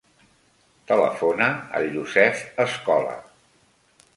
Telefona al Yousef Escola.